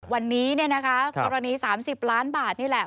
วันนี้กรณี๓๐ล้านบาทนี่แหละ